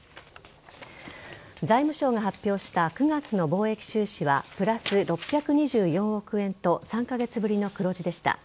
財務省が発表した９月の貿易収支はプラス６２４億円と３カ月ぶりの黒字でした。